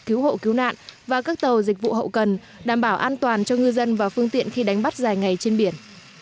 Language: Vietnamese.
cứu hộ cứu nạn và các tàu dịch vụ hậu cần đảm bảo an toàn cho ngư dân và phương tiện khi đánh bắt dài ngày trên biển